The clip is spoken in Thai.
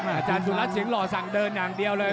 อาจารย์สุรัสสิงหล่อสั่งเดินอย่างเดียวเลย